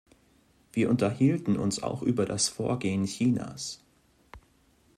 Wir unterhielten uns auch über das Vorgehen Chinas.